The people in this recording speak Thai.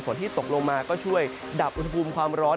ที่ตกลงมาก็ช่วยดับอุณหภูมิความร้อน